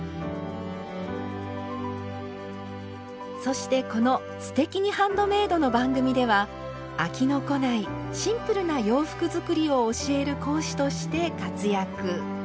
そしてこの「すてきにハンドメイド」の番組では飽きのこないシンプルな洋服作りを教える講師として活躍。